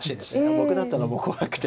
僕だったらもう怖くて。